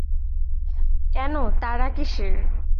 কেন, তাড়া কিসের?